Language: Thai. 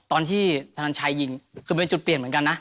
ตอนที่ธนันชัยยิงคือเป็นจุดเปลี่ยนเหมือนกันนะ